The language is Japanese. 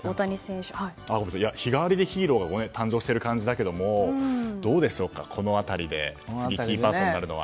日替わりでヒーローが誕生している感じだけどどうでしょうか、この辺りで次にキーパーソンになるのは。